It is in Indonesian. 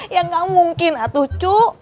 ya gak mungkin atuh cu